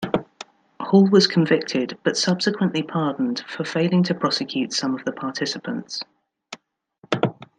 Hall was convicted, but subsequently pardoned, for failing to prosecute some of the participants.